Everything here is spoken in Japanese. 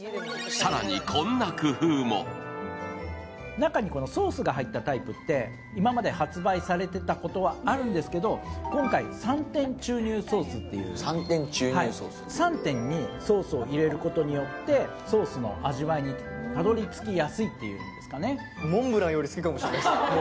中にソースが入ったタイプって今まで発売されていたことはあるんですけれども今回、３点注入ソースっていう３点にソースを入れることによってソースの味わいにたどり着きやすいというんですかね。